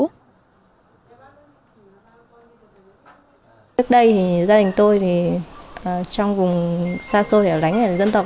trước đây gia đình tôi trong vùng xa xôi ở đánh dân tộc